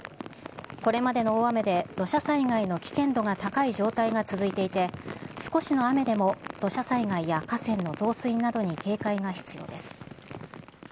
これまでの大雨で土砂災害の危険度が高い状態が続いていて、少しの雨でも土砂災害や河川の増水などに警戒が必要です。